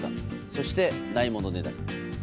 そして、ないものねだり。